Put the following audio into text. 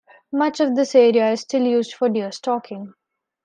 Much of this area is still used for deer stalking.